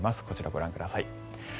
こちらをご覧ください。